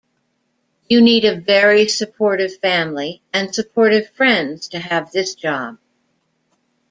You need a very supportive family and supportive friends to have this job.